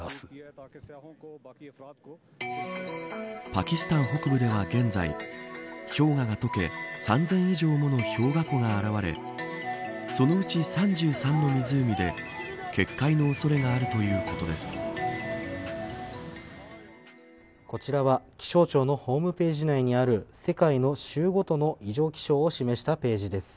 パキスタン北部では現在氷河が解け、３０００以上もの氷河湖が現れそのうち３３の湖で決壊の恐れがこちらは気象庁のホームページ内にある、世界の州ごとの異常気象を示したページです。